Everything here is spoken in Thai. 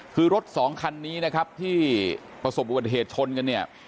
คือรถสองคันนี้นะครับที่ประสบอุบัติเหตุชนกันเนี่ย